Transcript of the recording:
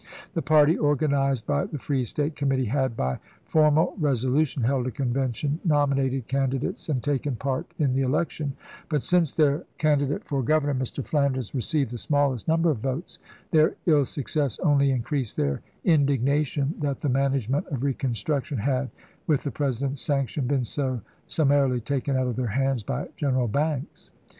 The party organized by the Free State Committee had, by for mal resolution, held a convention, nominated can didates, and taken part in the election ; but since theii candidate for governor, Mr. Flanders, received the smallest number of votes, their ill success only increased theii' indignation that the management of reconstruction had, with the President's sanction, been so summarily taken out of their hands by Gen eral Banks.